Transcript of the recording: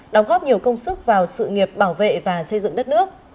đóng góp nhiều công sức vào sự nghiệp bảo vệ và xây dựng đất nước